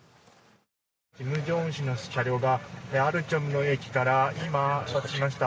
金正恩総書記の車両がアルチョムの駅から今、出発しました。